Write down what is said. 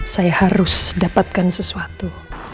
saya harus dapatkan sesuatu